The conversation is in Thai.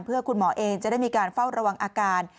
เพื่อคุณหมอเองจะได้มีการเฝ้าระวังอาการ